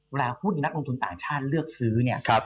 เวลาหุ้นนักลงทุนต่างชาติเลือกซื้อเนี่ย